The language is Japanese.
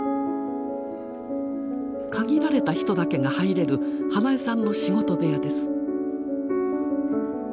限られた人だけが入れる英恵さんの仕事部屋です。